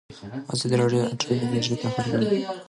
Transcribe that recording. ازادي راډیو د اټومي انرژي په اړه د خلکو وړاندیزونه ترتیب کړي.